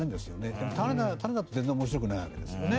でも種だと全然面白くないわけですよね。